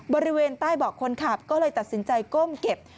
บริเวณใต้เบาะคนขับก็เลยตัดสินใจก้มเก็บ